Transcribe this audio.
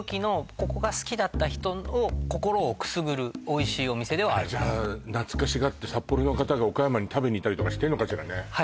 ここが好きだった人の心をくすぐるおいしいお店ではあるんですじゃあ懐かしがって札幌の方が岡山に食べに行ったりとかしてんのかしらね？